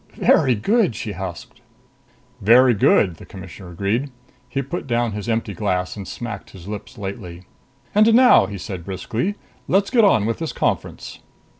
"Very good!" she husked. "Very good," the Commissioner agreed. He put down his empty glass and smacked his lips lightly. "And now," he said briskly, "let's get on with this conference."